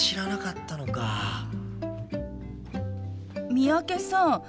三宅さん